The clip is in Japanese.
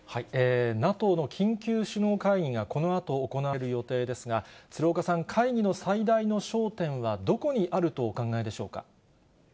ＮＡＴＯの緊急首脳会議がこのあと行われる予定ですが、鶴岡さん、会議の最大の焦点は、どこにあるとお考えでしょうか。